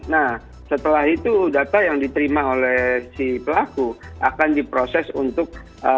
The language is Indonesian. nah setelah itu data yang diterima oleh si pelaku akan diproses untuk